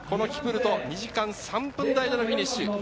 キプルト、２時間３分台へのフィニッシュ。